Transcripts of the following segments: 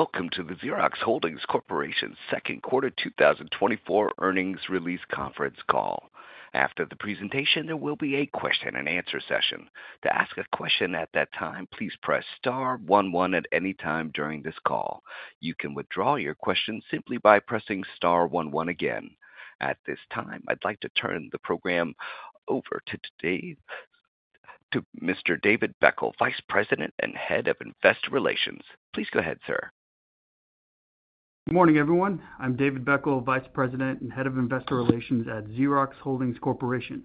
Welcome to the Xerox Holdings Corporation Second Quarter 2024 Earnings Release Conference Call. After the presentation, there will be a question-and-answer session. To ask a question at that time, please press star one one at any time during this call. You can withdraw your question simply by pressing star one one again. At this time, I'd like to turn the program over to Mr. David Beckel, Vice President and Head of Investor Relations. Please go ahead, sir. Good morning, everyone. I'm David Beckel, Vice President and Head of Investor Relations at Xerox Holdings Corporation.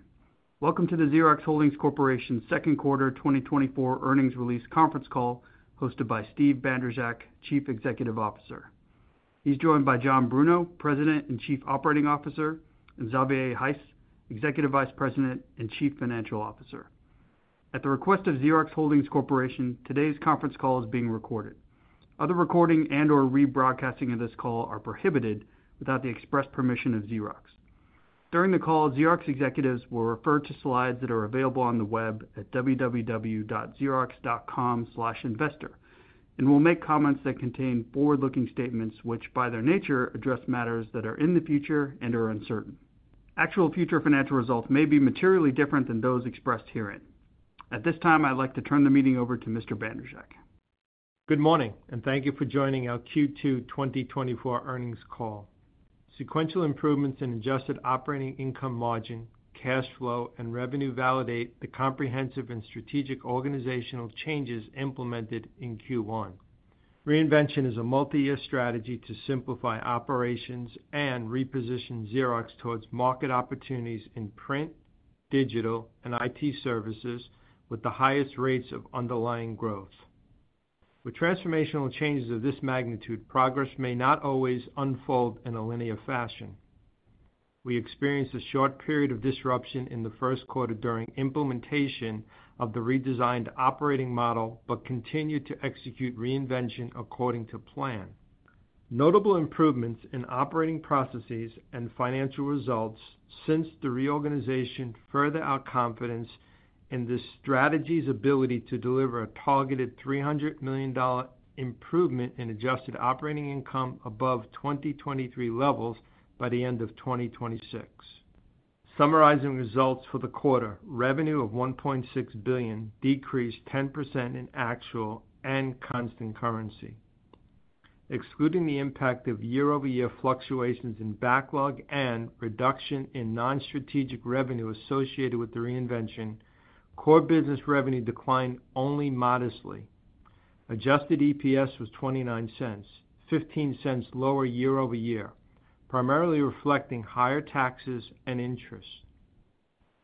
Welcome to the Xerox Holdings Corporation Second Quarter 2024 Earnings Release Conference Call, hosted by Steve Bandrowczak, Chief Executive Officer. He's joined by John Bruno, President and Chief Operating Officer, and Xavier Heiss, Executive Vice President and Chief Financial Officer. At the request of Xerox Holdings Corporation, today's conference call is being recorded. Other recording and/or rebroadcasting of this call are prohibited without the express permission of Xerox. During the call, Xerox executives will refer to slides that are available on the web at www.xerox.com/investor, and will make comments that contain forward-looking statements, which, by their nature, address matters that are in the future and are uncertain. Actual future financial results may be materially different than those expressed herein. At this time, I'd like to turn the meeting over to Mr. Bandrowczak. Good morning, and thank you for joining our Q2 2024 earnings call. Sequential improvements in adjusted operating income margin, cash flow, and revenue validate the comprehensive and strategic organizational changes implemented in Q1. Reinvention is a multi-year strategy to simplify operations and reposition Xerox towards market opportunities in print, digital, and IT services with the highest rates of underlying growth. With transformational changes of this magnitude, progress may not always unfold in a linear fashion. We experienced a short period of disruption in the first quarter during implementation of the redesigned operating model, but continued to execute Reinvention according to plan. Notable improvements in operating processes and financial results since the reorganization further our confidence in this strategy's ability to deliver a targeted $300 million improvement in adjusted operating income above 2023 levels by the end of 2026. Summarizing results for the quarter, revenue of $1.6 billion decreased 10% in actual and constant currency. Excluding the impact of year-over-year fluctuations in backlog and reduction in non-strategic revenue associated with the Reinvention, core business revenue declined only modestly. Adjusted EPS was $0.29, $0.15 lower year over year, primarily reflecting higher taxes and interest.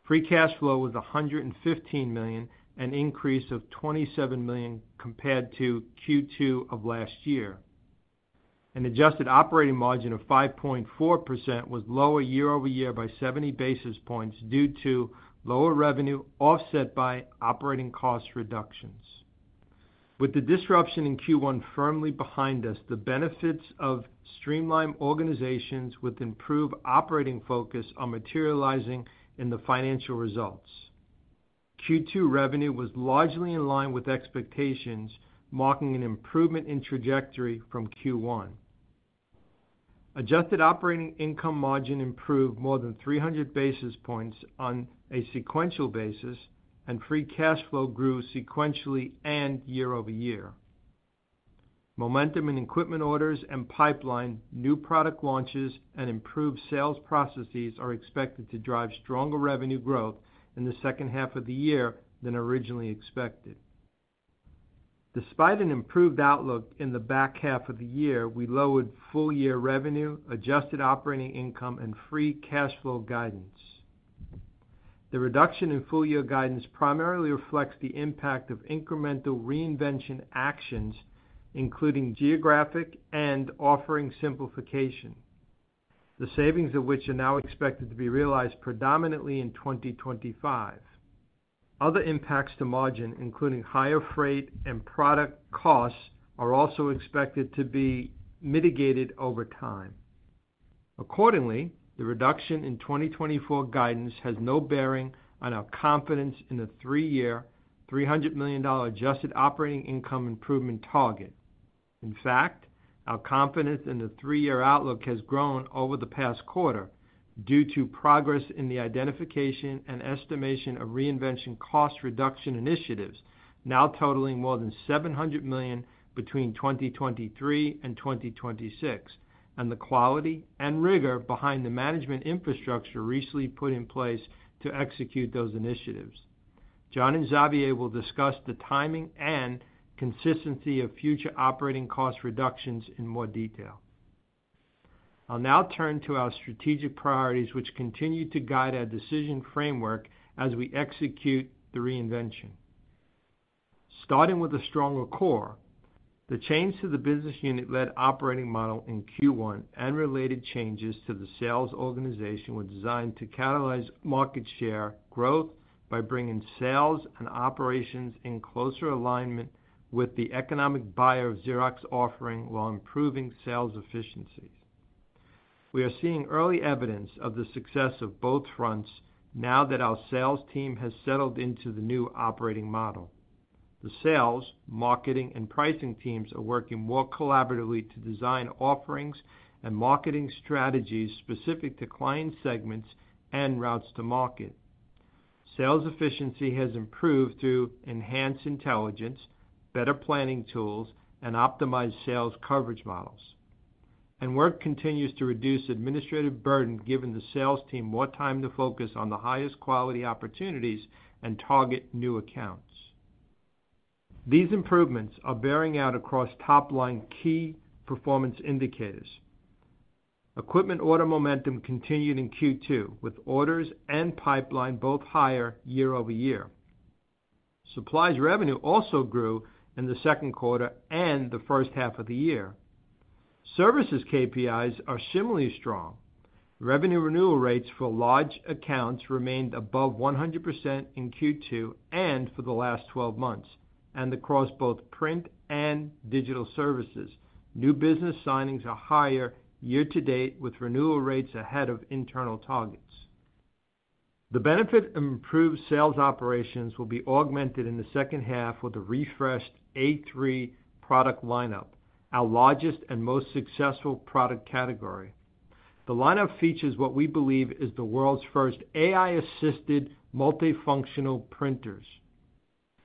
Free cash flow was $115 million, an increase of $27 million compared to Q2 of last year. An adjusted operating margin of 5.4% was lower year over year by 70 basis points due to lower revenue, offset by operating cost reductions. With the disruption in Q1 firmly behind us, the benefits of streamlined organizations with improved operating focus are materializing in the financial results. Q2 revenue was largely in line with expectations, marking an improvement in trajectory from Q1. Adjusted Operating Income margin improved more than 300 basis points on a sequential basis, and Free Cash Flow grew sequentially and year-over-year. Momentum in equipment orders and pipeline, new product launches, and improved sales processes are expected to drive stronger revenue growth in the second half of the year than originally expected. Despite an improved outlook in the back half of the year, we lowered full-year revenue, Adjusted Operating Income, and Free Cash Flow guidance. The reduction in full-year guidance primarily reflects the impact of incremental Reinvention actions, including geographic and offering simplification, the savings of which are now expected to be realized predominantly in 2025. Other impacts to margin, including higher freight and product costs, are also expected to be mitigated over time. Accordingly, the reduction in 2024 guidance has no bearing on our confidence in the three-year, $300 million adjusted operating income improvement target. In fact, our confidence in the three-year outlook has grown over the past quarter due to progress in the identification and estimation of Reinvention cost reduction initiatives, now totaling more than $700 million between 2023 and 2026, and the quality and rigor behind the management infrastructure recently put in place to execute those initiatives. John and Xavier will discuss the timing and consistency of future operating cost reductions in more detail. I'll now turn to our strategic priorities, which continue to guide our decision framework as we execute the Reinvention. Starting with a stronger core, the change to the business unit-led operating model in Q1 and related changes to the sales organization were designed to catalyze market share growth by bringing sales and operations in closer alignment with the economic buyer of Xerox offering, while improving sales efficiency. We are seeing early evidence of the success of both fronts now that our sales team has settled into the new operating model. The sales, marketing, and pricing teams are working more collaboratively to design offerings and marketing strategies specific to client segments and routes to market. Sales efficiency has improved through enhanced intelligence, better planning tools, and optimized sales coverage models. Work continues to reduce administrative burden, giving the sales team more time to focus on the highest quality opportunities and target new accounts. These improvements are bearing out across top-line key performance indicators. Equipment order momentum continued in Q2, with orders and pipeline both higher year-over-year. Supplies revenue also grew in the second quarter and the first half of the year. Services KPIs are similarly strong. Revenue renewal rates for large accounts remained above 100% in Q2 and for the last 12 months, and across both print and digital services, new business signings are higher year-to-date, with renewal rates ahead of internal targets. The benefit of improved sales operations will be augmented in the second half with a refreshed A3 product lineup, our largest and most successful product category. The lineup features what we believe is the world's first AI-assisted multifunctional printers.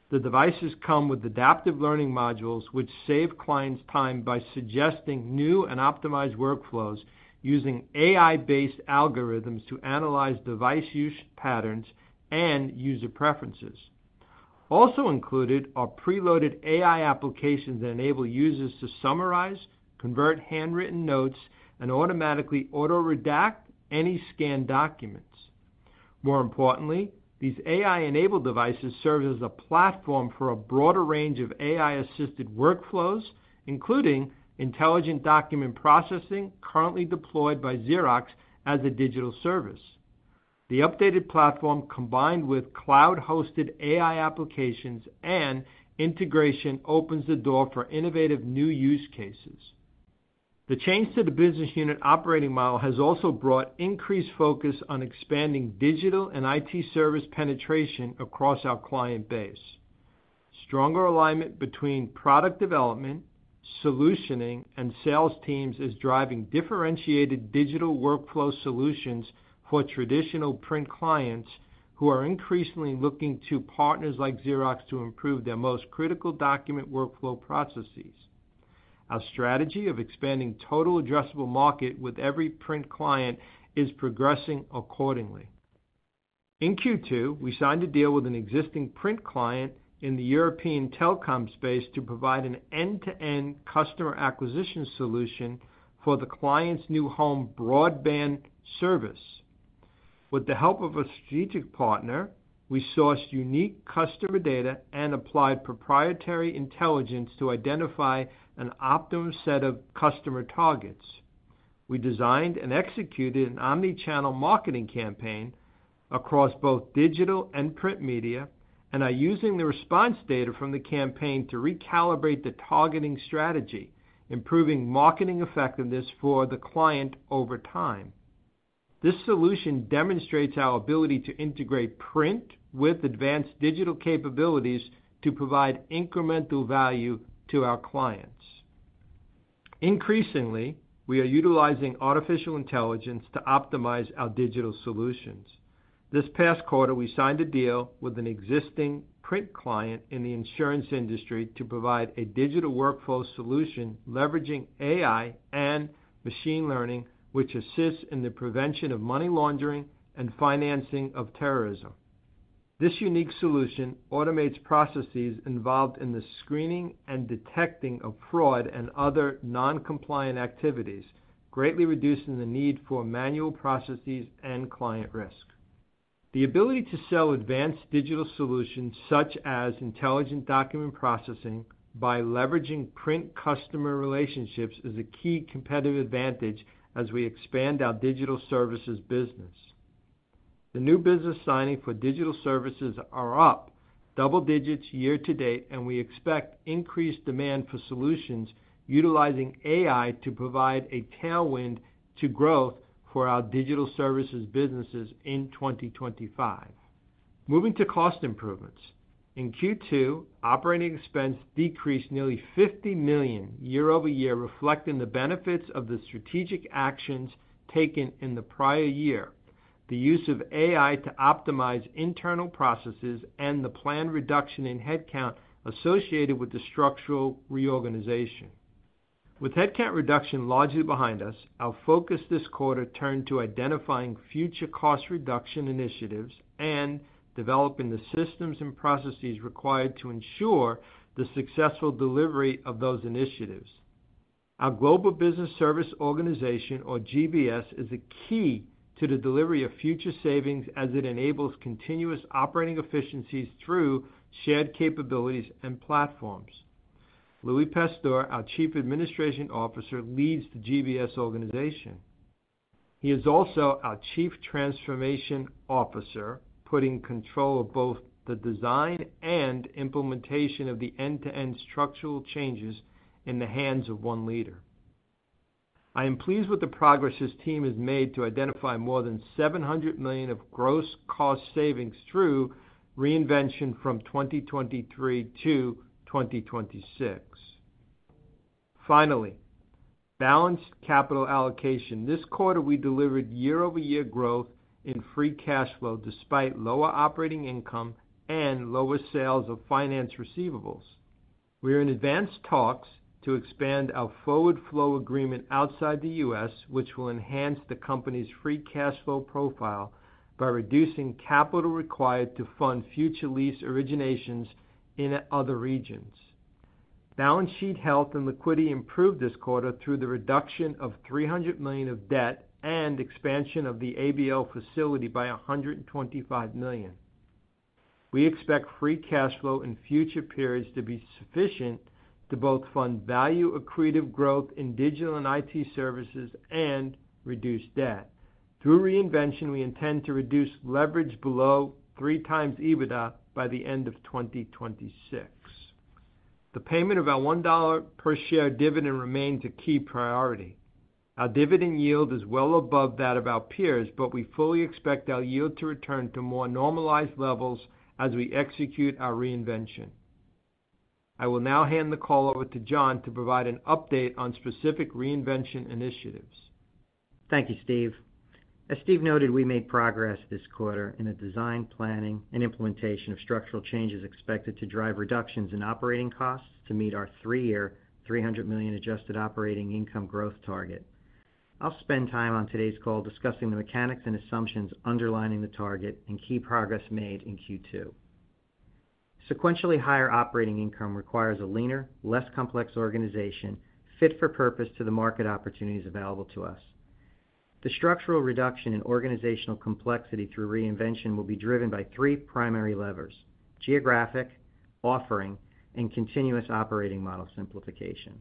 The devices come with adaptive learning modules, which save clients time by suggesting new and optimized workflows using AI-based algorithms to analyze device use patterns and user preferences. Also included are preloaded AI applications that enable users to summarize, convert handwritten notes, and automatically auto-redact any scanned documents. More importantly, these AI-enabled devices serve as a platform for a broader range of AI-assisted workflows, including Intelligent Document Processing, currently deployed by Xerox as a digital service. The updated platform, combined with cloud-hosted AI applications and integration, opens the door for innovative new use cases. The change to the business unit operating model has also brought increased focus on expanding digital and IT service penetration across our client base. Stronger alignment between product development, solutioning, and sales teams is driving differentiated digital workflow solutions for traditional print clients, who are increasingly looking to partners like Xerox to improve their most critical document workflow processes. Our strategy of expanding total addressable market with every print client is progressing accordingly. In Q2, we signed a deal with an existing print client in the European telecom space to provide an end-to-end customer acquisition solution for the client's new home broadband service. With the help of a strategic partner, we sourced unique customer data and applied proprietary intelligence to identify an optimum set of customer targets. We designed and executed an omni-channel marketing campaign across both digital and print media, and are using the response data from the campaign to recalibrate the targeting strategy, improving marketing effectiveness for the client over time. This solution demonstrates our ability to integrate print with advanced digital capabilities to provide incremental value to our clients. Increasingly, we are utilizing artificial intelligence to optimize our digital solutions. This past quarter, we signed a deal with an existing print client in the insurance industry to provide a digital workflow solution leveraging AI and machine learning, which assists in the prevention of money laundering and financing of terrorism. This unique solution automates processes involved in the screening and detecting of fraud and other noncompliant activities, greatly reducing the need for manual processes and client risk. The ability to sell advanced digital solutions, such as Intelligent Document Processing, by leveraging print customer relationships, is a key competitive advantage as we expand our digital services business. The new business signing for digital services are up double digits year-to-date, and we expect increased demand for solutions utilizing AI to provide a tailwind to growth for our digital services businesses in 2025. Moving to cost improvements. In Q2, operating expense decreased nearly $50 million year-over-year, reflecting the benefits of the strategic actions taken in the prior year, the use of AI to optimize internal processes, and the planned reduction in headcount associated with the structural reorganization. With headcount reduction largely behind us, our focus this quarter turned to identifying future cost reduction initiatives and developing the systems and processes required to ensure the successful delivery of those initiatives. Our Global Business Services organization, or GBS, is a key to the delivery of future savings as it enables continuous operating efficiencies through shared capabilities and platforms. Louie Pastor, our Chief Administration Officer, leads the GBS organization. He is also our Chief Transformation Officer, putting control of both the design and implementation of the end-to-end structural changes in the hands of one leader. I am pleased with the progress his team has made to identify more than $700 million of gross cost savings through Reinvention from 2023 to 2026. Finally, balanced capital allocation. This quarter, we delivered year-over-year growth in free cash flow, despite lower operating income and lower sales of finance receivables. We are in advanced talks to expand our forward flow agreement outside the U.S., which will enhance the company's free cash flow profile by reducing capital required to fund future lease originations in other regions. Balance sheet health and liquidity improved this quarter through the reduction of $300 million of debt and expansion of the ABL facility by $125 million. We expect free cash flow in future periods to be sufficient to both fund value accretive growth in digital and IT services and reduce debt. Through Reinvention, we intend to reduce leverage below 3x EBITDA by the end of 2026. The payment of our $1 per share dividend remains a key priority. Our dividend yield is well above that of our peers, but we fully expect our yield to return to more normalized levels as we execute our Reinvention. I will now hand the call over to John to provide an update on specific Reinvention initiatives. Thank you, Steve. As Steve noted, we made progress this quarter in the design, planning, and implementation of structural changes expected to drive reductions in operating costs to meet our three-year $300 million Adjusted Operating Income growth target. I'll spend time on today's call discussing the mechanics and assumptions underlying the target and key progress made in Q2. Sequentially, higher operating income requires a leaner, less complex organization, fit for purpose to the market opportunities available to us. The structural reduction in organizational complexity through Reinvention will be driven by three primary levers: geographic, offering, and continuous operating model simplification.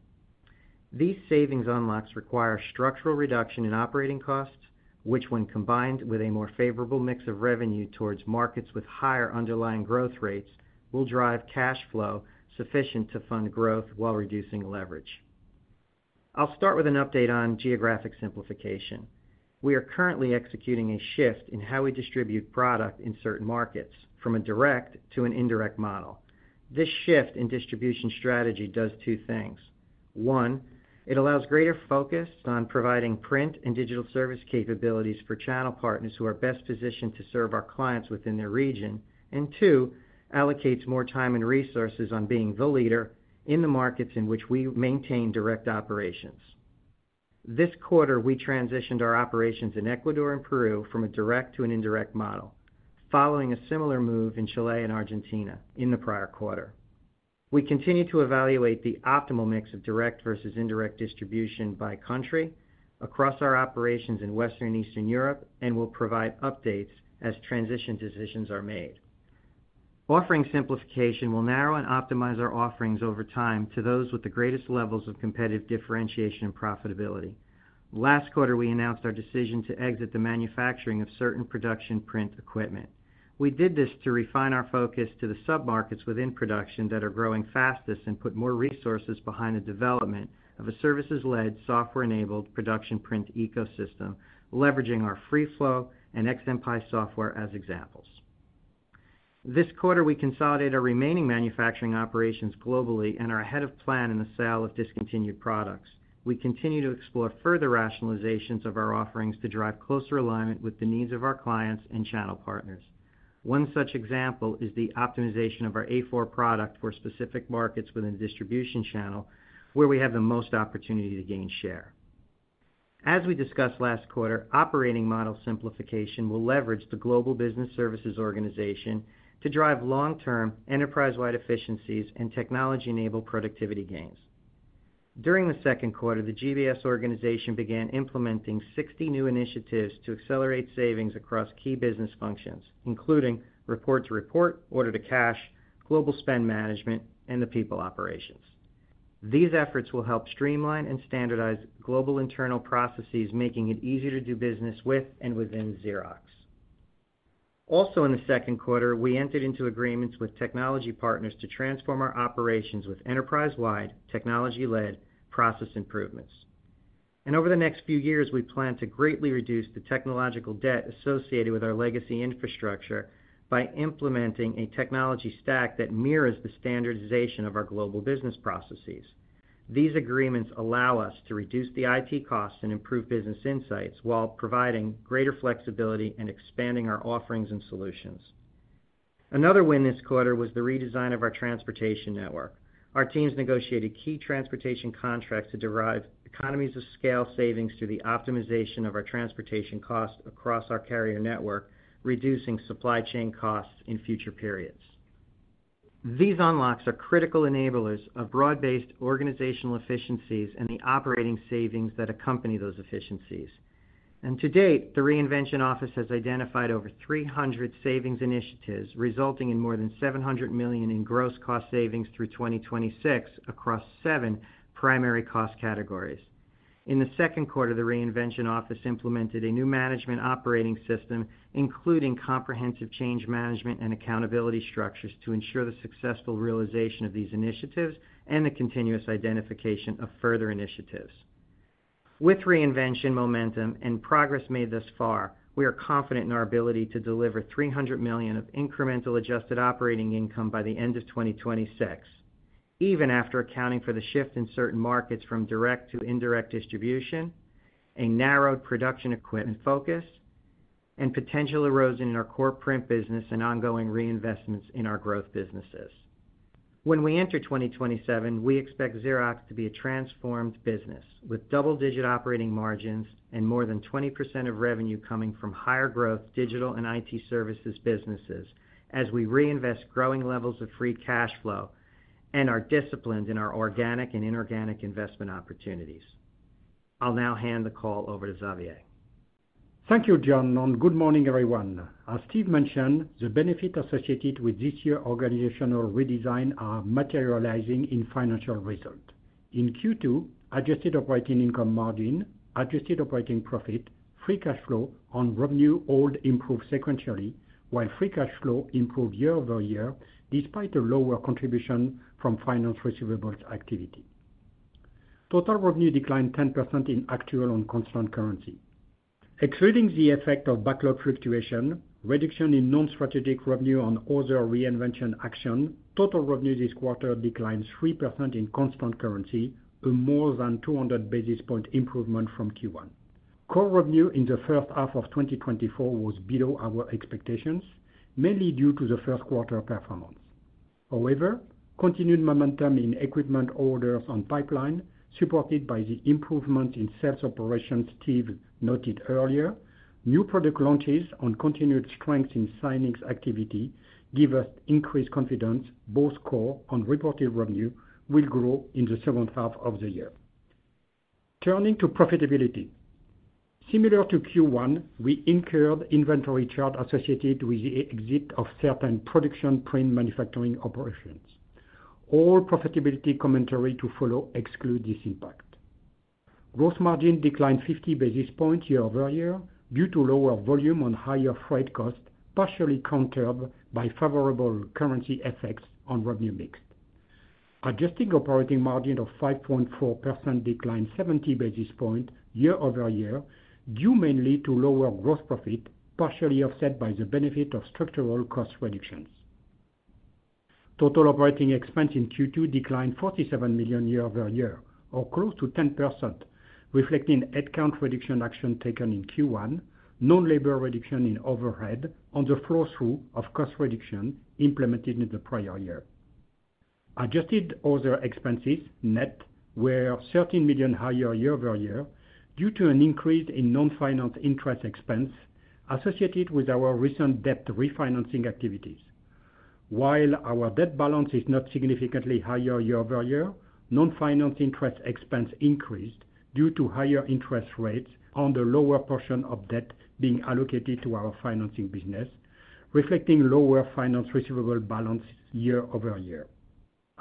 These savings unlocks require structural reduction in operating costs, which, when combined with a more favorable mix of revenue towards markets with higher underlying growth rates, will drive cash flow sufficient to fund growth while reducing leverage. I'll start with an update on geographic simplification. We are currently executing a shift in how we distribute product in certain markets, from a direct to an indirect model. This shift in distribution strategy does two things: one, it allows greater focus on providing print and digital service capabilities for channel partners who are best positioned to serve our clients within their region, and two, allocates more time and resources on being the leader in the markets in which we maintain direct operations. This quarter, we transitioned our operations in Ecuador and Peru from a direct to an indirect model, following a similar move in Chile and Argentina in the prior quarter. We continue to evaluate the optimal mix of direct versus indirect distribution by country across our operations in Western and Eastern Europe, and we'll provide updates as transition decisions are made. Offering simplification will narrow and optimize our offerings over time to those with the greatest levels of competitive differentiation and profitability. Last quarter, we announced our decision to exit the manufacturing of certain production print equipment. We did this to refine our focus to the submarkets within production that are growing fastest and put more resources behind the development of a services-led, software-enabled production print ecosystem, leveraging our FreeFlow and XMPie software as examples. This quarter, we consolidated our remaining manufacturing operations globally and are ahead of plan in the sale of discontinued products. We continue to explore further rationalizations of our offerings to drive closer alignment with the needs of our clients and channel partners. One such example is the optimization of our A4 product for specific markets within the distribution channel, where we have the most opportunity to gain share. As we discussed last quarter, operating model simplification will leverage the Global Business Services organization to drive long-term, enterprise-wide efficiencies and technology-enabled productivity gains. During the second quarter, the GBS organization began implementing 60 new initiatives to accelerate savings across key business functions, including record to report, order to cash, global spend management, and the people operations. These efforts will help streamline and standardize global internal processes, making it easier to do business with and within Xerox. Also, in the second quarter, we entered into agreements with technology partners to transform our operations with enterprise-wide, technology-led process improvements. Over the next few years, we plan to greatly reduce the technological debt associated with our legacy infrastructure by implementing a technology stack that mirrors the standardization of our global business processes. These agreements allow us to reduce the IT costs and improve business insights, while providing greater flexibility and expanding our offerings and solutions. Another win this quarter was the redesign of our transportation network. Our teams negotiated key transportation contracts to derive economies of scale savings through the optimization of our transportation costs across our carrier network, reducing supply chain costs in future periods. These unlocks are critical enablers of broad-based organizational efficiencies and the operating savings that accompany those efficiencies. To date, the Reinvention Office has identified over 300 savings initiatives, resulting in more than $700 million in gross cost savings through 2026 across 7 primary cost categories. In the second quarter, the Reinvention Office implemented a new management operating system, including comprehensive change management and accountability structures, to ensure the successful realization of these initiatives and the continuous identification of further initiatives. With Reinvention, momentum, and progress made thus far, we are confident in our ability to deliver $300 million of incremental adjusted operating income by the end of 2026, even after accounting for the shift in certain markets from direct to indirect distribution, a narrowed production equipment focus, and potential erosion in our core print business and ongoing reinvestments in our growth businesses. When we enter 2027, we expect Xerox to be a transformed business, with double-digit operating margins and more than 20% of revenue coming from higher growth, digital and IT services businesses, as we reinvest growing levels of free cash flow and are disciplined in our organic and inorganic investment opportunities. I'll now hand the call over to Xavier. Thank you, John, and good morning, everyone. As Steve mentioned, the benefit associated with this year organizational redesign are materializing in financial result. In Q2, adjusted operating income margin, adjusted operating profit, free cash flow on revenue all improved sequentially, while free cash flow improved year-over-year, despite a lower contribution from finance receivables activity. Total revenue declined 10% in actual and constant currency. Excluding the effect of backlog fluctuation, reduction in non-strategic revenue on other Reinvention action, total revenue this quarter declined 3% in constant currency, a more than 200 basis point improvement from Q1. Core revenue in the first half of 2024 was below our expectations, mainly due to the first quarter performance. However, continued momentum in equipment orders on pipeline, supported by the improvement in sales operations Steve noted earlier, new product launches on continued strength in signings activity, give us increased confidence, both core and reported revenue will grow in the second half of the year. Turning to profitability. Similar to Q1, we incurred inventory charge associated with the exit of certain production print manufacturing operations. All profitability commentary to follow exclude this impact. Gross margin declined 50 basis points year-over-year, due to lower volume on higher freight costs, partially countered by favorable currency effects on revenue mix. Adjusted operating margin of 5.4% declined 70 basis points year-over-year, due mainly to lower gross profit, partially offset by the benefit of structural cost reductions. Total operating expense in Q2 declined $47 million year-over-year, or close to 10%, reflecting headcount reduction action taken in Q1, non-labor reduction in overhead, and the flow-through of cost reduction implemented in the prior year. Adjusted other expenses net were $13 million higher year-over-year, due to an increase in non-finance interest expense associated with our recent debt refinancing activities. While our debt balance is not significantly higher year-over-year, non-finance interest expense increased due to higher interest rates on the lower portion of debt being allocated to our financing business, reflecting lower finance receivable balance year-over-year.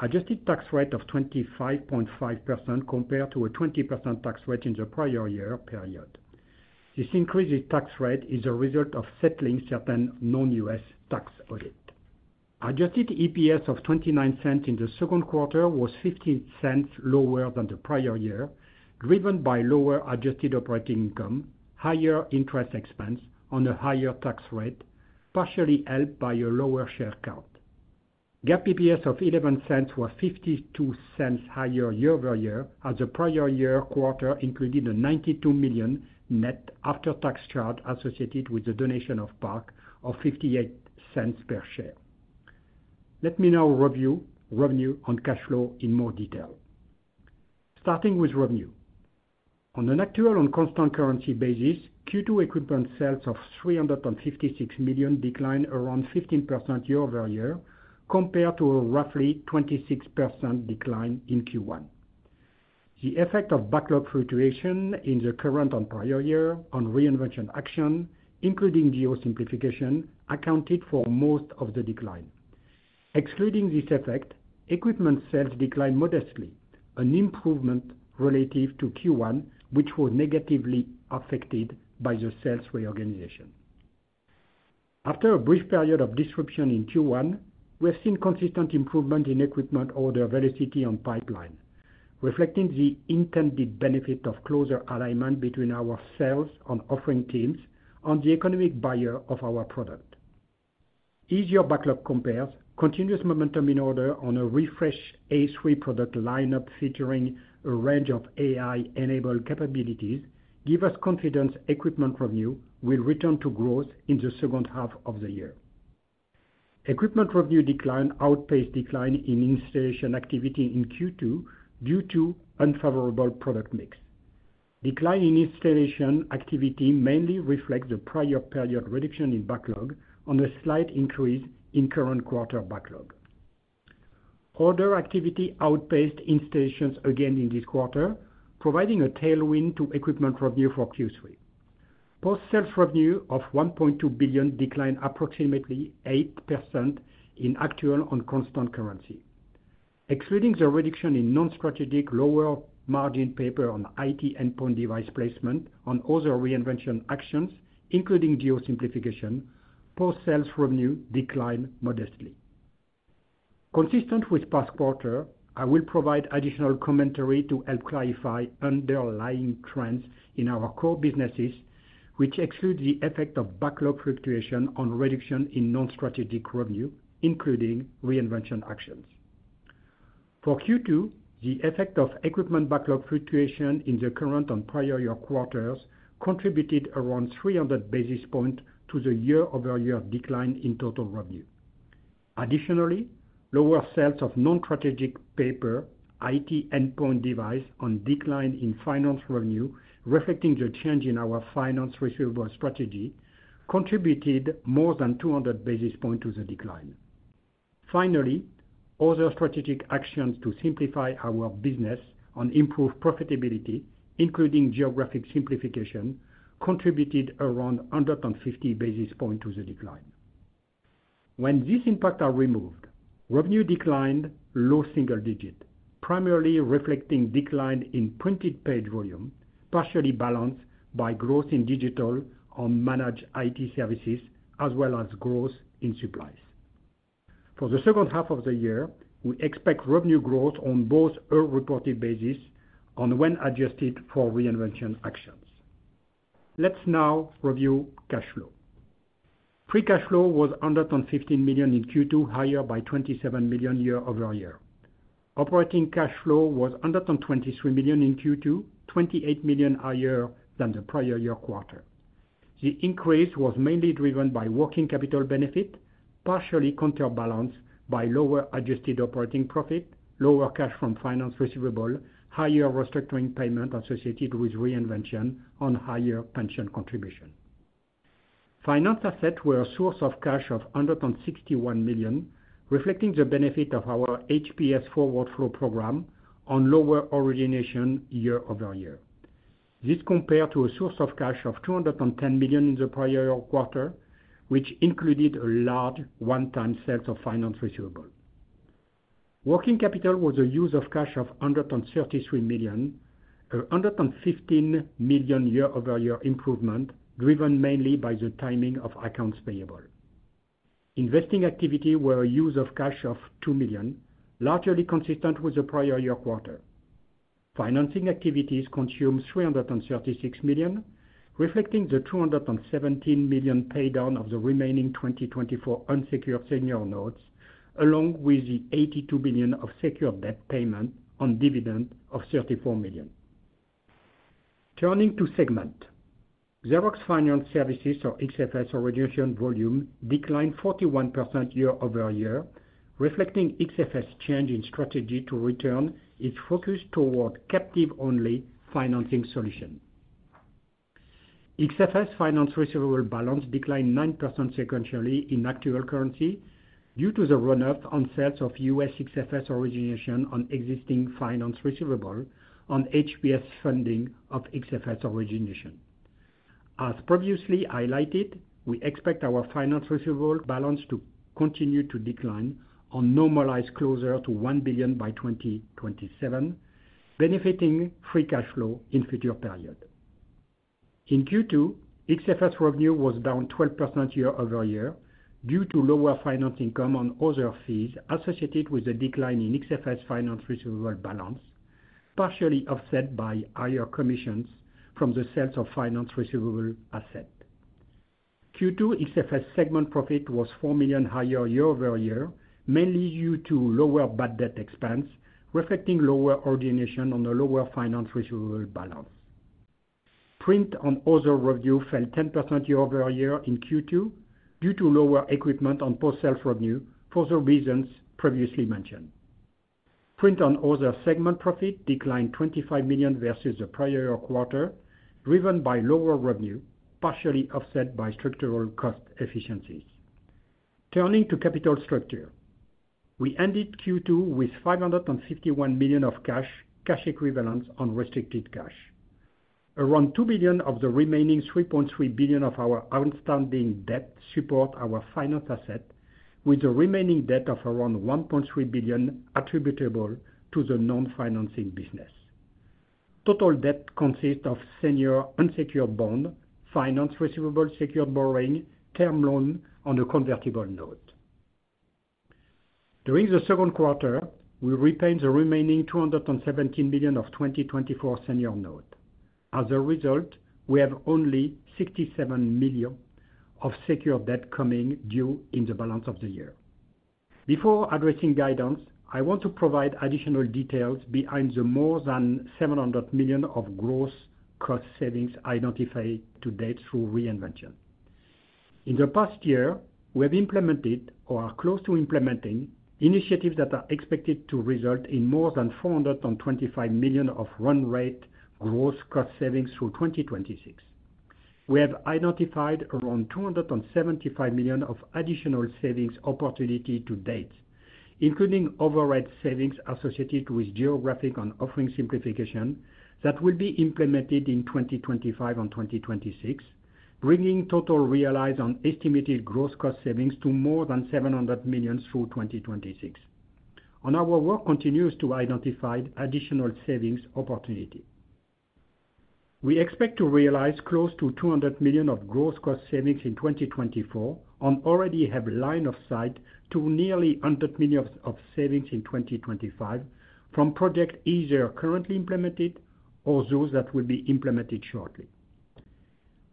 Adjusted tax rate of 25.5% compared to a 20% tax rate in the prior year period. This increase in tax rate is a result of settling certain non-U.S. tax audit. Adjusted EPS of $0.29 in the second quarter was 15 cents lower than the prior year, driven by lower adjusted operating income, higher interest expense on a higher tax rate, partially helped by a lower share count. GAAP EPS of $0.11 was 52 cents higher year-over-year, as the prior year quarter included a $92 million net after-tax charge associated with the donation of PARC of 58 cents per share. Let me now review revenue and cash flow in more detail. Starting with revenue. On an actual and constant currency basis, Q2 equipment sales of $356 million declined around 15% year-over-year, compared to a roughly 26% decline in Q1. The effect of backlog fluctuation in the current and prior year on Reinvention action, including geo-simplification, accounted for most of the decline. Excluding this effect, equipment sales declined modestly, an improvement relative to Q1, which was negatively affected by the sales reorganization. After a brief period of disruption in Q1, we have seen consistent improvement in equipment order velocity and pipeline, reflecting the intended benefit of closer alignment between our sales and offering teams on the economic buyer of our product. Easier backlog compares, continuous momentum in order on a refreshed A3 product lineup featuring a range of AI-enabled capabilities, give us confidence equipment revenue will return to growth in the second half of the year. Equipment revenue decline outpaced decline in installation activity in Q2 due to unfavorable product mix. Decline in installation activity mainly reflects the prior period reduction in backlog on a slight increase in current quarter backlog. Order activity outpaced installations again in this quarter, providing a tailwind to equipment revenue for Q3. Post-sales revenue of $1.2 billion declined approximately 8% in actual and constant currency. Excluding the reduction in non-strategic, lower-margin paper on IT endpoint device placement on other Reinvention actions, including geo-simplification, post-sales revenue declined modestly. Consistent with past quarter, I will provide additional commentary to help clarify underlying trends in our core businesses, which excludes the effect of backlog fluctuation on reduction in non-strategic revenue, including Reinvention actions. For Q2, the effect of equipment backlog fluctuation in the current and prior year quarters contributed around 300 basis points to the year-over-year decline in total revenue. Additionally, lower sales of non-strategic paper, IT endpoint device, and decline in finance revenue, reflecting the change in our finance receivable strategy, contributed more than 200 basis points to the decline. Finally, other strategic actions to simplify our business and improve profitability, including geographic simplification, contributed around 150 basis point to the decline. When these impacts are removed, revenue declined low single digit, primarily reflecting decline in printed page volume, partially balanced by growth in digital and managed IT services, as well as growth in supplies. For the second half of the year, we expect revenue growth on both as reported basis and when adjusted for Reinvention actions. Let's now review cash flow. Free cash flow was $115 million in Q2, higher by $27 million year-over-year. Operating cash flow was $123 million in Q2, $28 million higher than the prior year quarter. The increase was mainly driven by working capital benefit, partially counterbalanced by lower adjusted operating profit, lower cash from finance receivable, higher restructuring payment associated with Reinvention, and higher pension contribution. Finance assets were a source of cash of $161 million, reflecting the benefit of our HPS forward flow program on lower origination year-over-year. This compared to a source of cash of $210 million in the prior year quarter, which included a large one-time set of finance receivable. Working capital was a use of cash of $133 million, a $115 million year-over-year improvement, driven mainly by the timing of accounts payable. Investing activity were a use of cash of $2 million, largely consistent with the prior year quarter. Financing activities consumed $336 million, reflecting the $217 million pay down of the remaining 2024 unsecured senior notes, along with the $82 million of secured debt payment on dividend of $34 million. Turning to segment. Xerox Financial Services, or XFS, origination volume declined 41% year-over-year, reflecting XFS' change in strategy to return its focus toward captive-only financing solution. XFS finance receivable balance declined 9% sequentially in actual currency due to the run-up on sales of U.S. XFS origination on existing finance receivable on HPS funding of XFS origination. As previously highlighted, we expect our finance receivable balance to continue to decline on normalized closer to $1 billion by 2027, benefiting free cash flow in future period. In Q2, XFS revenue was down 12% year-over-year due to lower finance income on other fees associated with the decline in XFS finance receivable balance, partially offset by higher commissions from the sales of finance receivable asset. Q2 XFS segment profit was $4 million higher year-over-year, mainly due to lower bad debt expense, reflecting lower origination on a lower finance receivable balance. Print and Other revenue fell 10% year-over-year in Q2 due to lower equipment on post-sales revenue for the reasons previously mentioned. Print and Other segment profit declined $25 million versus the prior year quarter, driven by lower revenue, partially offset by structural cost efficiencies. Turning to capital structure. We ended Q2 with $551 million of cash, cash equivalents, unrestricted cash. Around $2 billion of the remaining $3.3 billion of our outstanding debt support our finance asset, with the remaining debt of around $1.3 billion attributable to the non-financing business. Total debt consists of senior unsecured bond, finance receivable, secured borrowing, term loan, and a convertible note. During the second quarter, we repaid the remaining $217 million of 2024 senior note. As a result, we have only $67 million of secured debt coming due in the balance of the year. Before addressing guidance, I want to provide additional details behind the more than $700 million of gross cost savings identified to date through Reinvention. In the past year, we have implemented or are close to implementing initiatives that are expected to result in more than $425 million of run rate gross cost savings through 2026. We have identified around $275 million of additional savings opportunity to date, including overhead savings associated with geographic and offering simplification that will be implemented in 2025 and 2026, bringing total realized on estimated gross cost savings to more than $700 million through 2026. Our work continues to identify additional savings opportunity. We expect to realize close to $200 million of gross cost savings in 2024 and already have line of sight to nearly $100 million of savings in 2025 from project either currently implemented or those that will be implemented shortly.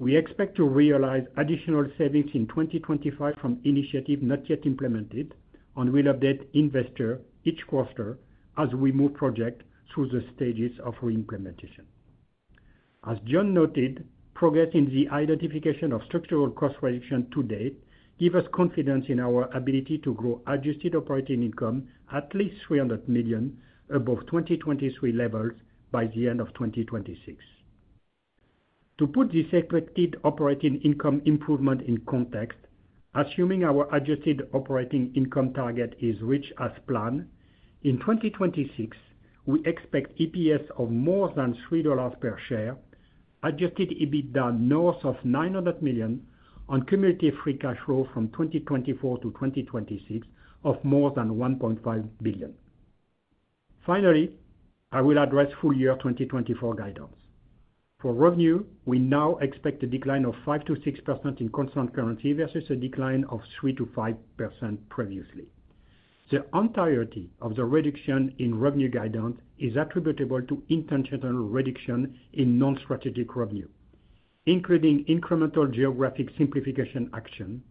We expect to realize additional savings in 2025 from initiative not yet implemented, and we'll update investor each quarter as we move project through the stages of re-implementation. As John noted, progress in the identification of structural cost reduction to date give us confidence in our ability to grow Adjusted Operating Income at least $300 million above 2023 levels by the end of 2026. To put this expected operating income improvement in context, assuming our adjusted operating income target is reached as planned, in 2026, we expect EPS of more than $3 per share, adjusted EBITDA north of $900 million, on cumulative free cash flow from 2024 to 2026 of more than $1.5 billion. Finally, I will address full year 2024 guidance. For revenue, we now expect a decline of 5%-6% in constant currency versus a decline of 3%-5% previously. The entirety of the reduction in revenue guidance is attributable to intentional reduction in non-strategic revenue, including incremental geographic simplification action,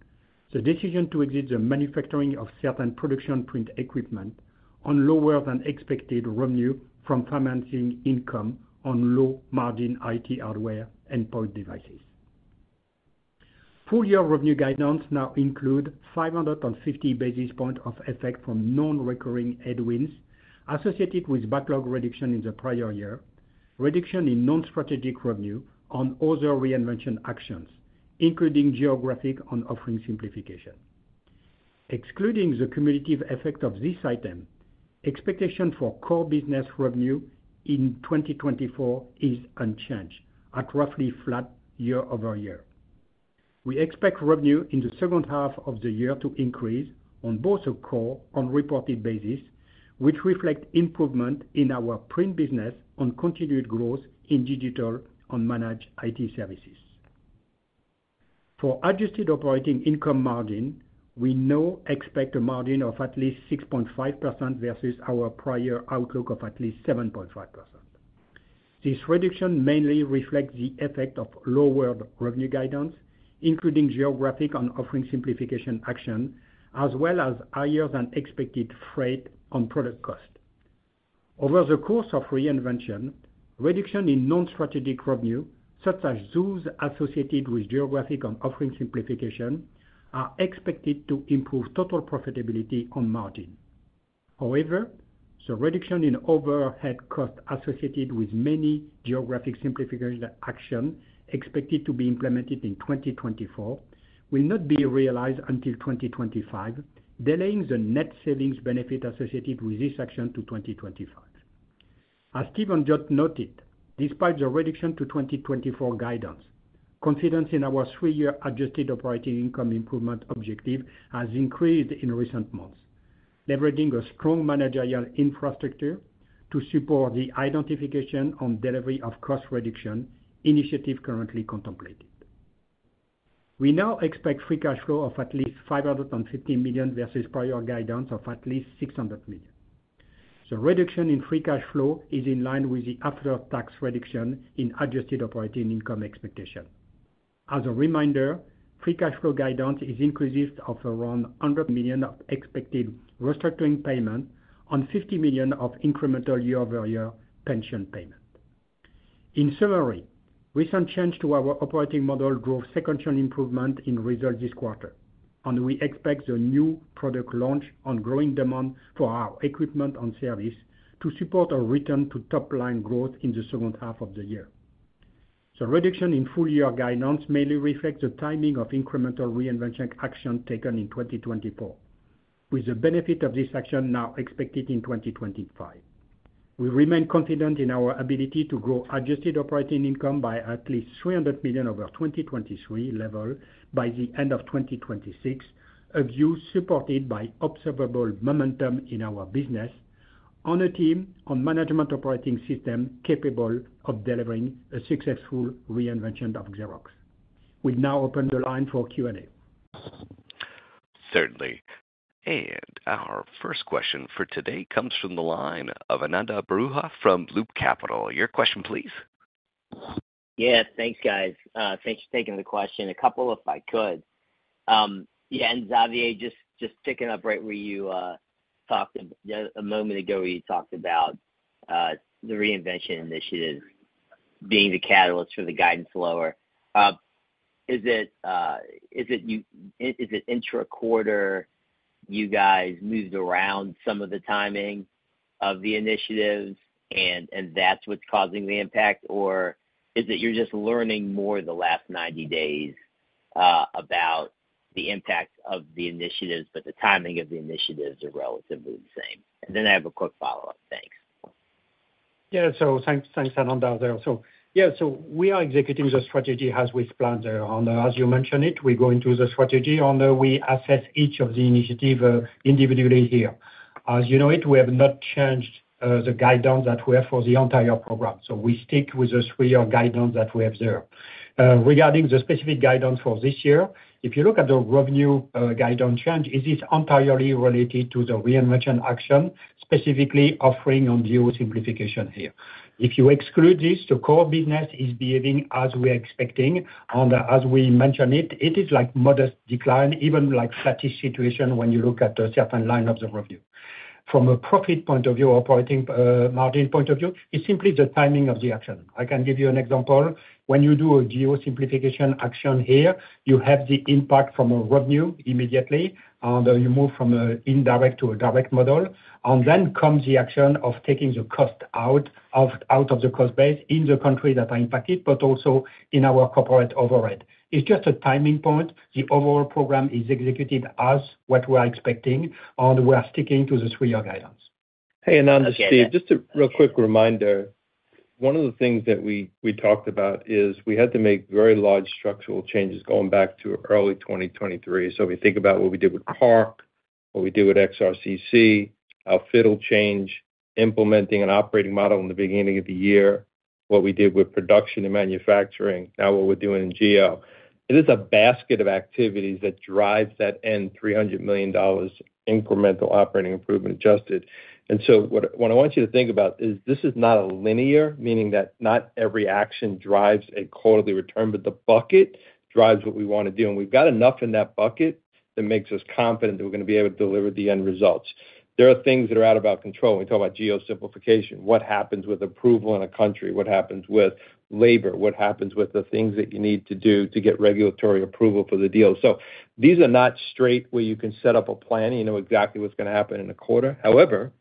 the decision to exit the manufacturing of certain production print equipment on lower than expected revenue from financing income on low-margin IT hardware endpoint devices. Full year revenue guidance now includes 550 basis points of effect from non-recurring headwinds associated with backlog reduction in the prior year, reduction in non-strategic revenue, and other Reinvention actions, including geographic and offering simplification. Excluding the cumulative effect of this item, expectation for core business revenue in 2024 is unchanged, at roughly flat year-over-year. We expect revenue in the second half of the year to increase on both a core and reported basis, which reflects improvement in our print business and continued growth in digital and managed IT services. For adjusted operating income margin, we now expect a margin of at least 6.5% versus our prior outlook of at least 7.5%. This reduction mainly reflects the effect of lowered revenue guidance, including geographic and offering simplification action, as well as higher than expected freight and product cost. Over the course of Reinvention, reduction in non-strategic revenue, such as those associated with geographic and offering simplification, are expected to improve total profitability on margin. However, the reduction in overhead cost associated with many geographic simplification action expected to be implemented in 2024, will not be realized until 2025, delaying the net savings benefit associated with this action to 2025. As Steven just noted, despite the reduction to 2024 guidance, confidence in our three-year Adjusted Operating Income improvement objective has increased in recent months, leveraging a strong managerial infrastructure to support the identification and delivery of cost reduction initiative currently contemplated. We now expect Free Cash Flow of at least $550 million versus prior guidance of at least $600 million. The reduction in Free Cash Flow is in line with the after-tax reduction in Adjusted Operating Income expectation. As a reminder, Free Cash Flow guidance is inclusive of around $100 million of expected restructuring payment on $50 million of incremental year-over-year pension payment. In summary, recent change to our operating model drove sequential improvement in results this quarter, and we expect the new product launch on growing demand for our equipment and service to support a return to top-line growth in the second half of the year. The reduction in full-year guidance mainly reflects the timing of incremental Reinvention action taken in 2024, with the benefit of this action now expected in 2025. We remain confident in our ability to grow Adjusted Operating Income by at least $300 million over 2023 level by the end of 2026, a view supported by observable momentum in our business on a team on management operating system capable of delivering a successful Reinvention of Xerox. We now open the line for Q&A. Certainly. And our first question for today comes from the line of Ananda Baruah from Loop Capital. Your question, please? Yeah, thanks, guys. Thanks for taking the question. A couple, if I could. Yeah, and Xavier, just picking up right where you talked a moment ago, where you talked about the Reinvention initiative being the catalyst for the guidance lower. Is it intra-quarter? You guys moved around some of the timing of the initiatives and that's what's causing the impact? Or is it you're just learning more the last 90 days about the impact of the initiatives, but the timing of the initiatives are relatively the same? And then I have a quick follow-up. Thanks. Yeah. So thanks, thanks, Ananda, there. So yeah, so we are executing the strategy as we planned, Ananda. As you mentioned it, we go into the strategy, Ananda, we assess each of the initiative, individually here. As you know it, we have not changed, the guidance that we have for the entire program. So we stick with the three-year guidance that we have there. Regarding the specific guidance for this year, if you look at the revenue, guidance change, it is entirely related to the Reinvention action, specifically offering on geo simplification here. If you exclude this, the core business is behaving as we are expecting, Ananda. As we mentioned it, it is like modest decline, even like static situation when you look at the certain line of the revenue. From a profit point of view, operating, margin point of view, it's simply the timing of the action. I can give you an example. When you do a geo simplification action here, you have the impact from a revenue immediately, and you move from a indirect to a direct model. And then comes the action of taking the cost out of, out of the cost base in the countries that are impacted, but also in our corporate overhead. It's just a timing point. The overall program is executed as what we are expecting, and we are sticking to the three-year guidance. Hey, Ananda, it's Steve. Okay, yeah. Just a real quick reminder, one of the things that we, we talked about is we had to make very large structural changes going back to early 2023. So if you think about what we did with PARC, what we did with XRCC, our field change, implementing an operating model in the beginning of the year, what we did with production and manufacturing, now what we're doing in geo. It is a basket of activities that drives that end $300 million incremental operating improvement adjusted. And so what, what I want you to think about is this is not a linear, meaning that not every action drives a quarterly return, but the bucket drives what we want to do. And we've got enough in that bucket that makes us confident that we're gonna be able to deliver the end results. There are things that are out of our control. We talk about geo simplification. What happens with approval in a country? What happens with labor? What happens with the things that you need to do to get regulatory approval for the deal? So these are not straight where you can set up a plan and you know exactly what's gonna happen in a quarter. However,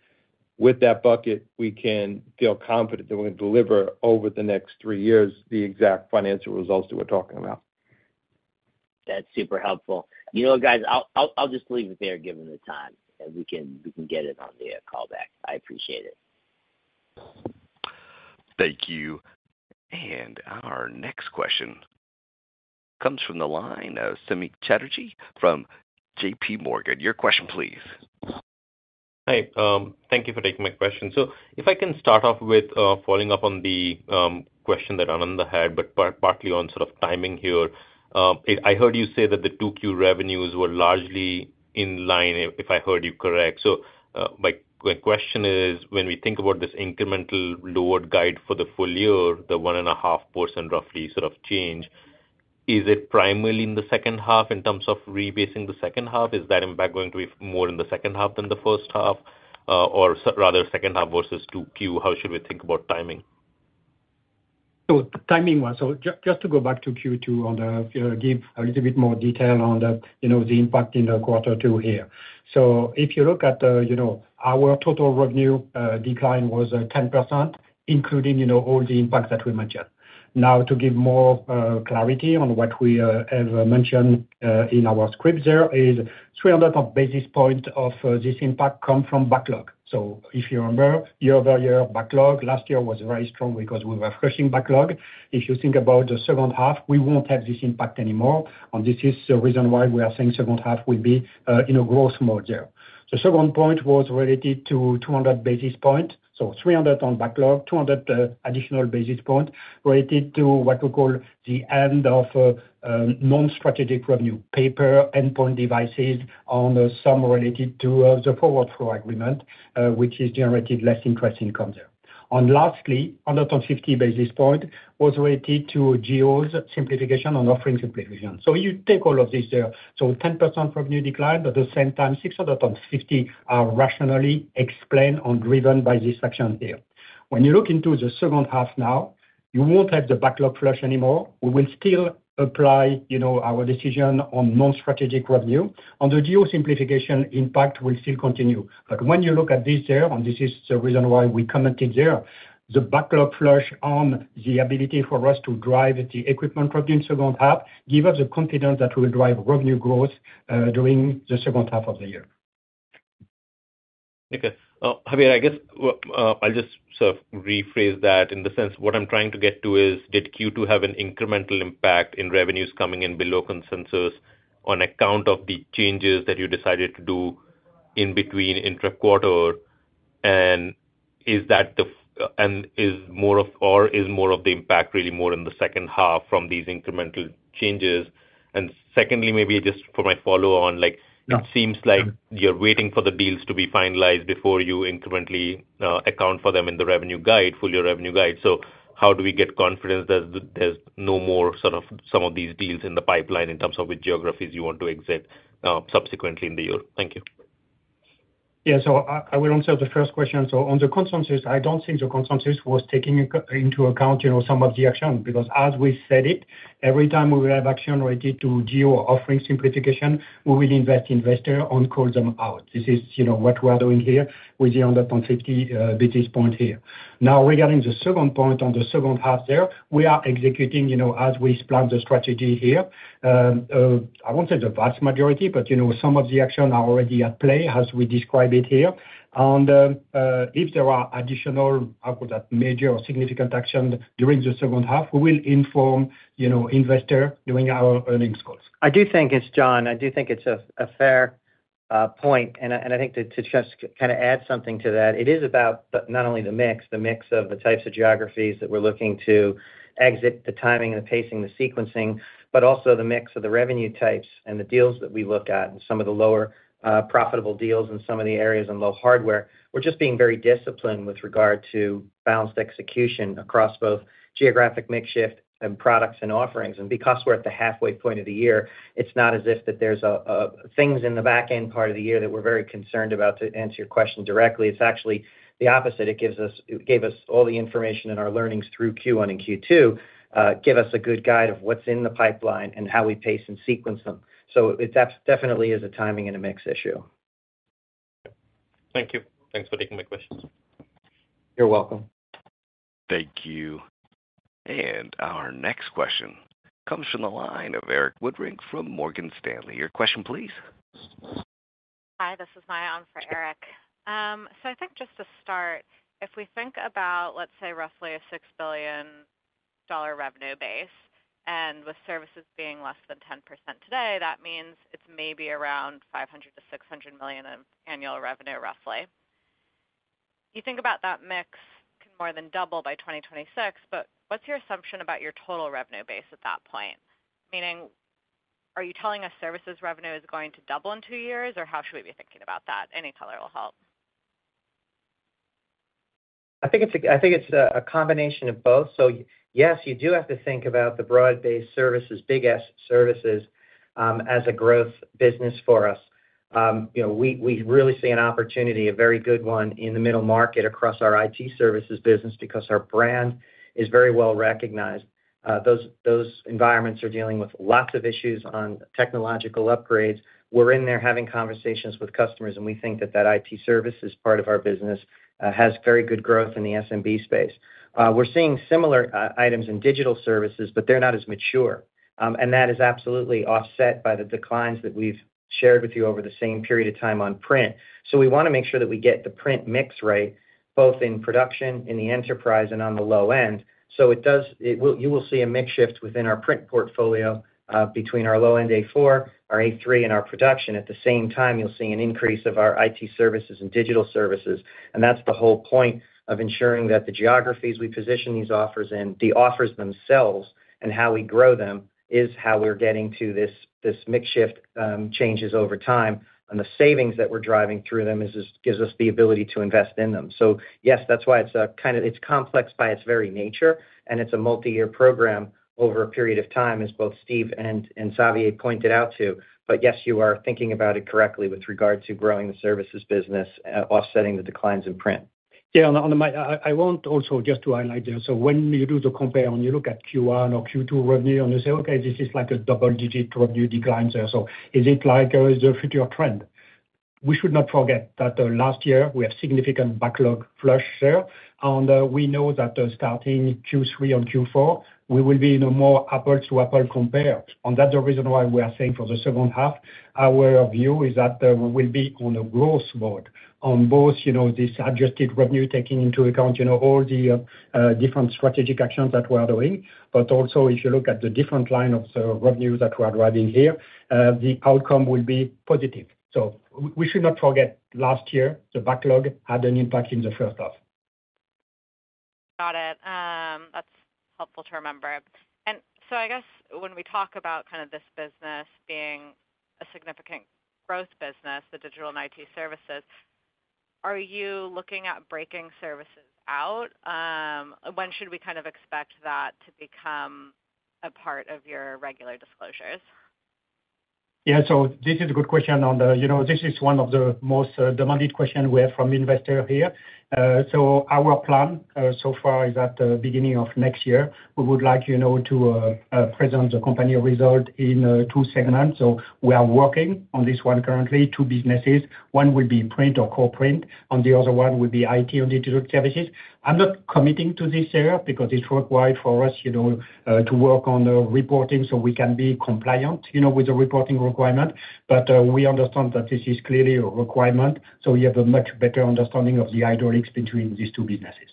with that bucket, we can feel confident that we're gonna deliver over the next three years, the exact financial results that we're talking about. That's super helpful. You know what, guys, I'll just leave it there, given the time, and we can get it on the call back. I appreciate it. Thank you. Our next question comes from the line of Samik Chatterjee from J.P. Morgan. Your question, please. Hi, thank you for taking my question. So if I can start off with, following up on the, question that Ananda had, but partly on sort of timing here. I heard you say that the 2Q revenues were largely in line, if I heard you correct. So, my question is, when we think about this incremental lower guide for the full year, the 1.5% roughly sort of change, is it primarily in the second half in terms of rebasing the second half? Is that impact going to be more in the second half than the first half, or rather, second half versus 2Q? How should we think about timing? So just to go back to Q2 on the, give a little bit more detail on the, you know, the impact in the quarter two here. So if you look at, you know, our total revenue, decline was, 10%, including, you know, all the impacts that we mentioned. Now, to give more, clarity on what we, have, mentioned, in our script there, is 300 basis points of, this impact come from backlog. So if you remember, year-over-year backlog last year was very strong because we were crushing backlog. If you think about the second half, we won't have this impact anymore, and this is the reason why we are saying second half will be, in a growth mode there. The second point was related to 200 basis points, so 300 on backlog, 200 additional basis points related to what we call the end of non-strategic revenue, paper, endpoint devices, and some related to the forward flow agreement, which has generated less interest in concept. And lastly, 150 basis points was related to geo's simplification and offering simplification. So you take all of this there, so 10% revenue decline, but at the same time, 650 are rationally explained and driven by this action there. When you look into the second half now, you won't have the backlog flush anymore. We will still apply, you know, our decision on non-strategic revenue. On the geo simplification, impact will still continue. But when you look at this there, and this is the reason why we commented there, the backlog flush on the ability for us to drive the equipment revenue in second half give us the confidence that we'll drive revenue growth during the second half of the year. Okay. Xavier, I guess, I'll just sort of rephrase that in the sense what I'm trying to get to is, did Q2 have an incremental impact in revenues coming in below consensus on account of the changes that you decided to do in between intra quarter? And is more of, or is more of the impact really more in the second half from these incremental changes? And secondly, maybe just for my follow on, like- Yeah. It seems like you're waiting for the deals to be finalized before you incrementally account for them in the revenue guide, full year revenue guide. So how do we get confidence that there's no more sort of some of these deals in the pipeline in terms of the geographies you want to exit, subsequently in the year? Thank you. Yeah, so I will answer the first question. So on the consensus, I don't think the consensus was taking into account, you know, some of the action, because as we said it, every time we will have action related to geo offering simplification, we will inform investors and call them out. This is, you know, what we are doing here with the 150 basis points here. Now, regarding the second point on the second half there, we are executing, you know, as we planned the strategy here. I won't say the vast majority, but, you know, some of the action are already at play as we describe it here. And, if there are additional, major or significant action during the second half, we will inform, you know, investors during our earnings calls. I do think it's John. I do think it's a fair point, and I think to just kind of add something to that, it is about not only the mix, the mix of the types of geographies that we're looking to exit, the timing and the pacing, the sequencing, but also the mix of the revenue types and the deals that we look at, and some of the lower profitable deals in some of the areas and low hardware. We're just being very disciplined with regard to balanced execution across both geographic mix shift and products and offerings. And because we're at the halfway point of the year, it's not as if that there's things in the back end part of the year that we're very concerned about, to answer your question directly. It's actually the opposite. It gave us all the information and our learnings through Q1 and Q2 give us a good guide of what's in the pipeline and how we pace and sequence them. So it definitely is a timing and a mix issue. Thank you. Thanks for taking my questions. You're welcome. Thank you. And our next question comes from the line of Erik Woodring from Morgan Stanley. Your question, please. Hi, this is Maya in for Erik. So I think just to start, if we think about, let's say, roughly a $6 billion revenue base, and with services being less than 10% today, that means it's maybe around $500 million-$600 million in annual revenue, roughly. You think about that mix can more than double by 2026, but what's your assumption about your total revenue base at that point? Meaning, are you telling us services revenue is going to double in two years, or how should we be thinking about that? Any color will help. I think it's a combination of both. So yes, you do have to think about the broad-based services, biggest services, as a growth business for us. You know, we really see an opportunity, a very good one, in the middle market across our IT services business, because our brand is very well recognized. Those environments are dealing with lots of issues on technological upgrades. We're in there having conversations with customers, and we think that IT services part of our business has very good growth in the SMB space. We're seeing similar items in digital services, but they're not as mature. And that is absolutely offset by the declines that we've shared with you over the same period of time on print. So we wanna make sure that we get the print mix right, both in production, in the enterprise, and on the low end. You will see a mix shift within our print portfolio, between our low-end A4, our A3, and our production. At the same time, you'll see an increase of our IT services and digital services, and that's the whole point of ensuring that the geographies we position these offers in, the offers themselves and how we grow them, is how we're getting to this mix shift changes over time. And the savings that we're driving through them is just, gives us the ability to invest in them. So yes, that's why it's kind of it's complex by its very nature, and it's a multi-year program over a period of time, as both Steve and Xavier pointed out, too. Yes, you are thinking about it correctly with regard to growing the services business, offsetting the declines in print. Yeah, on the mic, I want also just to highlight there. So when you do the compare and you look at Q1 or Q2 revenue, and you say, "Okay, this is like a double-digit revenue decline there. So is it like the future trend?" We should not forget that last year we have significant backlog flush there, and we know that starting Q3 or Q4, we will be in a more apple to apple compare. And that's the reason why we are saying for the second half, our view is that we will be on a growth mode on both, you know, this adjusted revenue, taking into account, you know, all the different strategic actions that we are doing. But also, if you look at the different line of revenues that we are driving here, the outcome will be positive. So we should not forget, last year, the backlog had an impact in the first half. Got it. That's helpful to remember. And so I guess when we talk about kind of this business being a significant growth business, the digital and IT services, are you looking at breaking services out? When should we kind of expect that to become a part of your regular disclosures? Yeah, so this is a good question, and, you know, this is one of the most demanded question we have from investor here. So our plan, so far is at the beginning of next year, we would like, you know, to, present the company result in, two segments. So we are working on this one currently, two businesses. One will be print or core print, and the other one will be IT and digital services. I'm not committing to this area because it require for us, you know, to work on the reporting so we can be compliant, you know, with the reporting requirement. But, we understand that this is clearly a requirement, so we have a much better understanding of the hydraulics between these two businesses.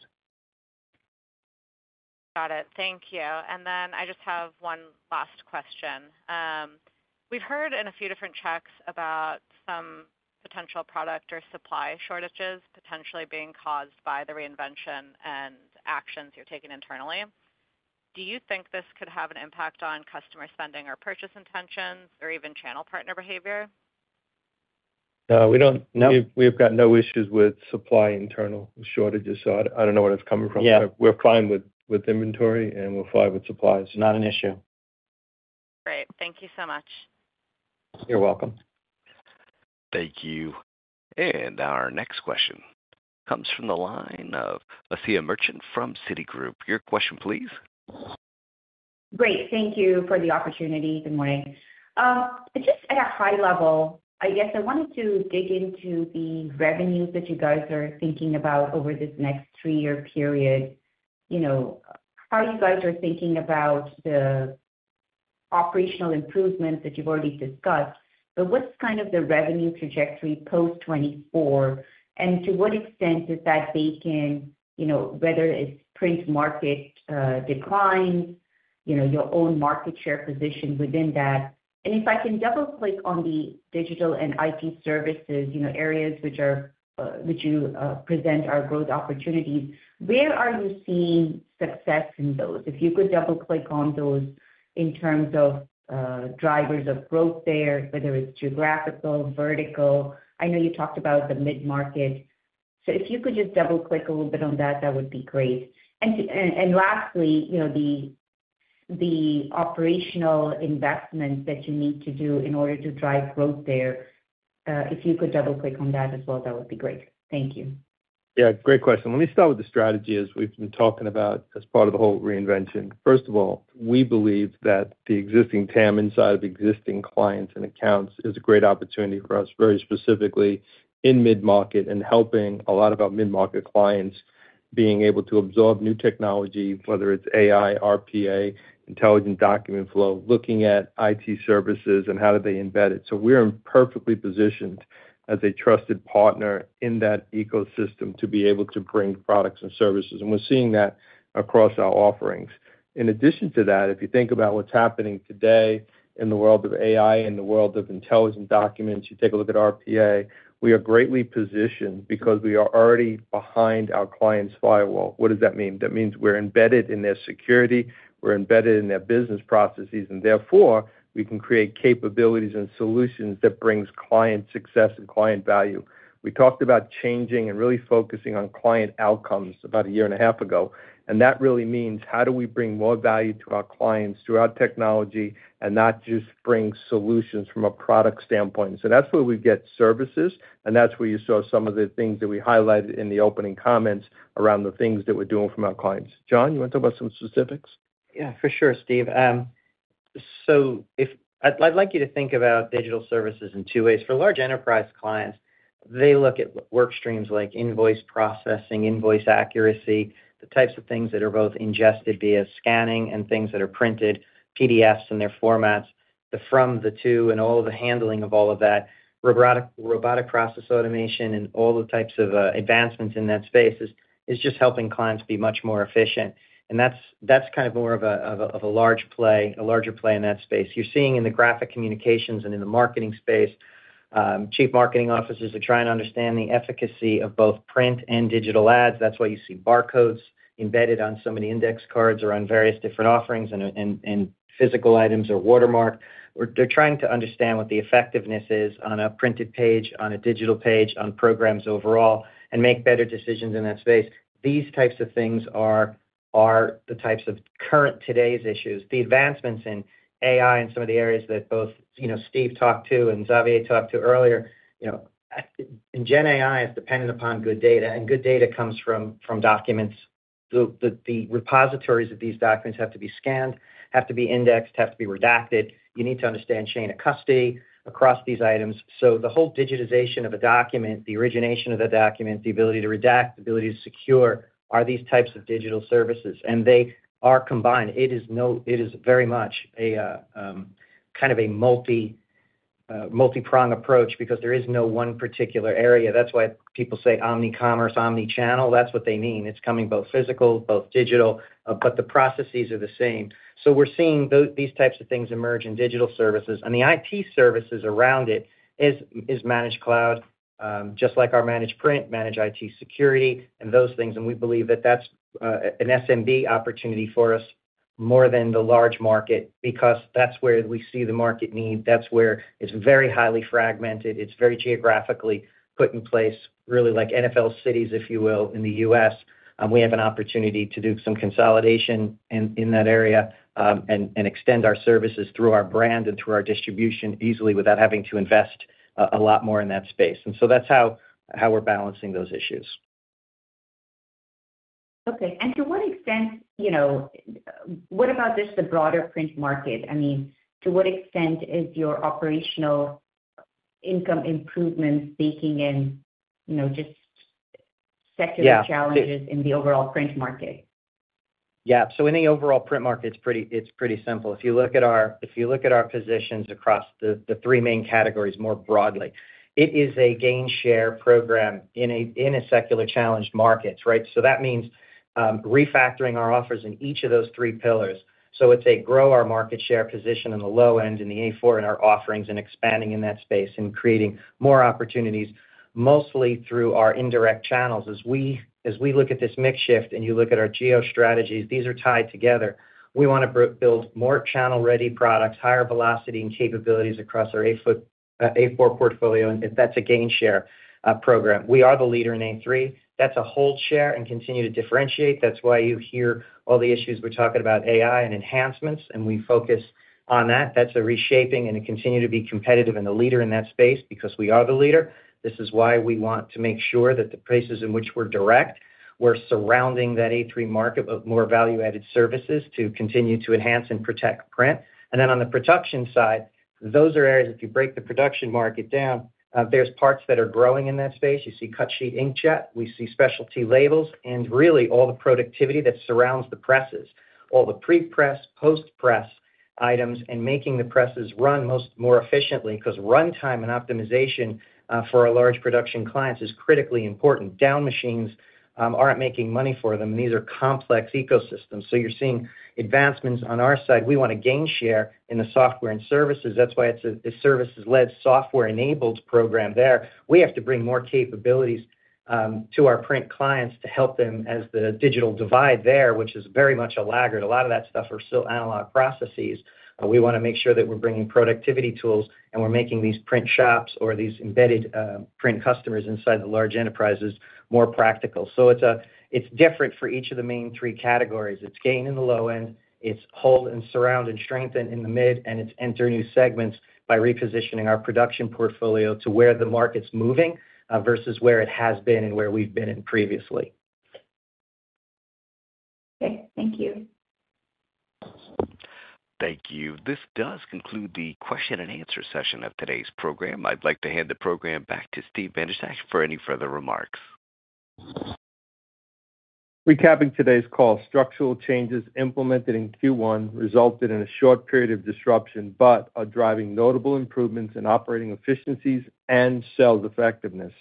Got it. Thank you. And then I just have one last question. We've heard in a few different checks about some potential product or supply shortages potentially being caused by the Reinvention and actions you're taking internally. Do you think this could have an impact on customer spending or purchase intentions, or even channel partner behavior? We don't- No. We've got no issues with supply, internal shortages, so I don't know where that's coming from. Yeah. We're fine with inventory, and we're fine with supplies. Not an issue. Great. Thank you so much. You're welcome. Thank you. And our next question comes from the line of Asiya Merchant from Citigroup. Your question, please? Great. Thank you for the opportunity. Good morning. Just at a high level, I guess I wanted to dig into the revenues that you guys are thinking about over this next three-year period. You know, how you guys are thinking about the operational improvements that you've already discussed, but what's kind of the revenue trajectory post 2024? And to what extent is that baking, you know, whether it's print market decline, you know, your own market share position within that? And if I can double-click on the digital and IT services, you know, areas which are, which you present are growth opportunities, where are you seeing success in those? If you could double-click on those in terms of, drivers of growth there, whether it's geographical, vertical. I know you talked about the mid-market, so if you could just double-click a little bit on that, that would be great. And lastly, you know, the operational investments that you need to do in order to drive growth there, if you could double-click on that as well, that would be great. Thank you. Yeah, great question. Let me start with the strategy, as we've been talking about as part of the whole Reinvention. First of all, we believe that the existing TAM inside of existing clients and accounts is a great opportunity for us, very specifically in mid-market and helping a lot of our mid-market clients being able to absorb new technology, whether it's AI, RPA, intelligent document flow, looking at IT services and how do they embed it. So we're perfectly positioned as a trusted partner in that ecosystem to be able to bring products and services, and we're seeing that across our offerings. In addition to that, if you think about what's happening today in the world of AI and the world of intelligent documents, you take a look at RPA, we are greatly positioned because we are already behind our client's firewall. What does that mean? That means we're embedded in their security, we're embedded in their business processes, and therefore, we can create capabilities and solutions that brings client success and client value. We talked about changing and really focusing on client outcomes about a year and a half ago, and that really means: How do we bring more value to our clients through our technology, and not just bring solutions from a product standpoint? So that's where we get services, and that's where you saw some of the things that we highlighted in the opening comments around the things that we're doing from our clients. John, you want to talk about some specifics? Yeah, for sure, Steve. So if—I'd like you to think about digital services in two ways. For large enterprise clients, they look at work streams like invoice processing, invoice accuracy, the types of things that are both ingested via scanning and things that are printed, PDFs and their formats, the from, the to, and all the handling of all of that. Robotic process automation and all the types of advancements in that space is just helping clients be much more efficient, and that's kind of more of a large play, a larger play in that space. You're seeing in the graphic communications and in the marketing space, chief marketing officers are trying to understand the efficacy of both print and digital ads. That's why you see barcodes embedded on so many index cards or on various different offerings and physical items or watermark. They're trying to understand what the effectiveness is on a printed page, on a digital page, on programs overall, and make better decisions in that space. These types of things are the types of current today's issues. The advancements in AI and some of the areas that both, you know, Steve talked to and Xavier talked to earlier, you know, in GenAI, it's dependent upon good data, and good data comes from documents. The repositories of these documents have to be scanned, have to be indexed, have to be redacted. You need to understand chain of custody across these items. So the whole digitization of a document, the origination of the document, the ability to redact, the ability to secure, are these types of digital services, and they are combined. It is very much a kind of a multipronged approach because there is no one particular area. That's why people say omnicommerce, omnichannel. That's what they mean. It's coming both physical, both digital, but the processes are the same. So we're seeing these types of things emerge in digital services. And the IT services around it is managed cloud, just like our managed print, managed IT security, and those things. And we believe that that's an SMB opportunity for us, more than the large market, because that's where we see the market need. That's where it's very highly fragmented. It's very geographically put in place, really, like NFL cities, if you will, in the U.S. We have an opportunity to do some consolidation in that area, and extend our services through our brand and through our distribution easily without having to invest a lot more in that space. And so that's how we're balancing those issues. Okay. And to what extent, you know, what about just the broader print market? I mean, to what extent is your operational income improvements baking in, you know, just secular- Yeah... challenges in the overall print market? Yeah. So in the overall print market, it's pretty, it's pretty simple. If you look at our positions across the three main categories more broadly, it is a gain-share program in a secularly challenged market, right? So that means, refactoring our offers in each of those three pillars. So it's to grow our market share position in the low end, in the A4, in our offerings, and expanding in that space and creating more opportunities, mostly through our indirect channels. As we look at this mix shift and you look at our geo strategies, these are tied together. We want to build more channel-ready products, higher velocity and capabilities across our A4 portfolio, and that's a gain share program. We are the leader in A3. That's a hold share and continue to differentiate. That's why you hear all the issues we're talking about AI and enhancements, and we focus on that. That's a reshaping, and to continue to be competitive and the leader in that space because we are the leader. This is why we want to make sure that the places in which we're direct, we're surrounding that A3 market of more value-added services to continue to enhance and protect print. And then on the production side, those are areas, if you break the production market down, there's parts that are growing in that space. You see cut-sheet inkjet, we see specialty labels, and really all the productivity that surrounds the presses, all the pre-press, post-press items and making the presses run more efficiently, because runtime and optimization for our large production clients is critically important. Down machines aren't making money for them, and these are complex ecosystems. So you're seeing advancements on our side. We want to gain share in the software and services. That's why it's a services-led, software-enabled program there. We have to bring more capabilities to our print clients to help them as the digital divide there, which is very much a laggard. A lot of that stuff are still analog processes. We wanna make sure that we're bringing productivity tools, and we're making these print shops or these embedded print customers inside the large enterprises more practical. So it's different for each of the main three categories. It's gain in the low end, it's hold and surround and strengthen in the mid, and it's enter new segments by repositioning our production portfolio to where the market's moving versus where it has been and where we've been in previously. Okay. Thank you. Thank you. This does conclude the question and answer session of today's program. I'd like to hand the program back to Steve Bandrowczak for any further remarks. Recapping today's call, structural changes implemented in Q1 resulted in a short period of disruption, but are driving notable improvements in operating efficiencies and sales effectiveness.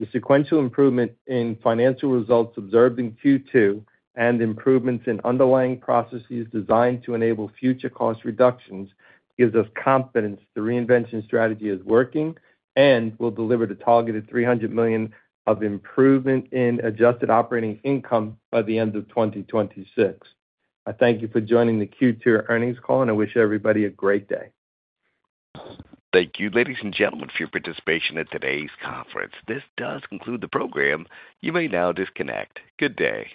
The sequential improvement in financial results observed in Q2 and improvements in underlying processes designed to enable future cost reductions, gives us confidence the Reinvention strategy is working and will deliver the targeted $300 million of improvement in adjusted operating income by the end of 2026. I thank you for joining the Q2 earnings call, and I wish everybody a great day. Thank you, ladies and gentlemen, for your participation in today's conference. This does conclude the program. You may now disconnect. Good day!